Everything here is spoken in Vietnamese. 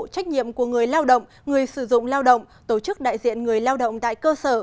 trách nhiệm của người lao động người sử dụng lao động tổ chức đại diện người lao động tại cơ sở